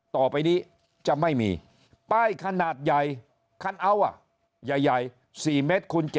ต่อไปนี้จะไม่มีป้ายขนาดใหญ่คันเอาท์ใหญ่๔เมตรคูณ๗